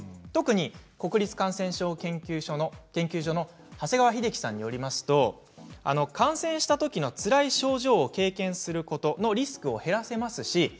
特に国立感染症研究所の長谷川秀樹さんによりますと感染したときのつらい症状を経験することのリスクを減らせます。